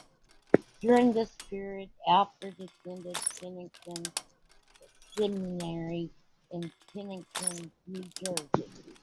During this period, Alfred attended Pennington Seminary in Pennington, New Jersey.